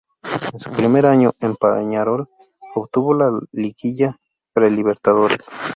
En su primer año en Peñarol, obtuvo la Liguilla Pre-Libertadores.